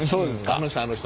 あの人あの人。